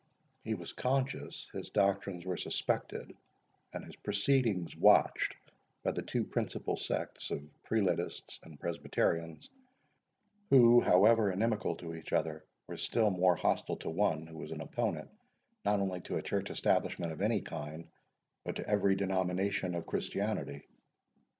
He was conscious his doctrines were suspected, and his proceedings watched, by the two principal sects of Prelatists and Presbyterians, who, however inimical to each other, were still more hostile to one who was an opponent, not only to a church establishment of any kind, but to every denomination of Christianity.